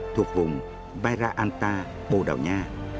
thuộc vùng peraanta bồ đào nha